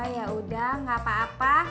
yaudah gak apa apa